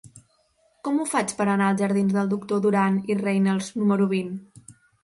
Com ho faig per anar als jardins del Doctor Duran i Reynals número vint?